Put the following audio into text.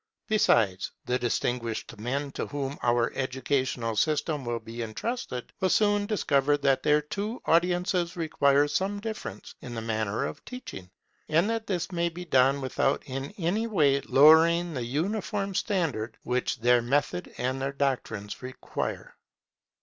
Besides, the distinguished men to whom our educational system will be entrusted will soon discover that their two audiences require some difference in the manner of teaching, and that this may be done without in any way lowering the uniform standard which their method and their doctrines require.